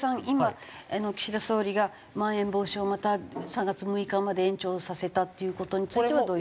今岸田総理がまん延防止をまた３月６日まで延長させたっていう事について。